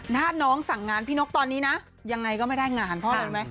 ถ้าน้องสั่งงานพี่นกตอนนี้นะยังไงก็ไม่ได้งานเพราะอะไรไหม